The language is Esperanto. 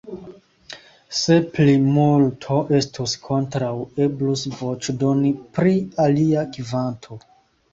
Se plimulto estus kontraŭ, eblus voĉdoni pri alia kvanto.